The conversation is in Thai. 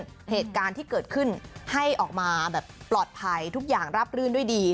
เหตุการณ์ที่เกิดขึ้นให้ออกมาแบบปลอดภัยทุกอย่างราบรื่นด้วยดี